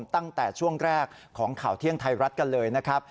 ตั้งแต่ช่วงแรกของข่าวเที่ยงไทยรัฐกันเลยนะครับ